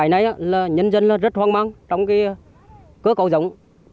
một mươi bảy nay là nhân dân rất hoang mang trong cơ cấu giống